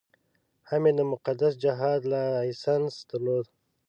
هم یې د مقدس جهاد لایسنس درلود.